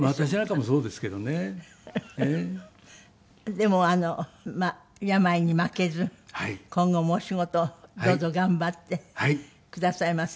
でも病に負けず今後もお仕事をどうぞ頑張ってくださいませ。